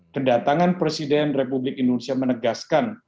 kedatangan presiden republik indonesia menegaskan